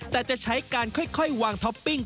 แต่จะใช้การค่อยวางท็อปปิ้ง